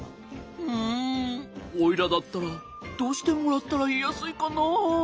うんおいらだったらどうしてもらったらいいやすいかな。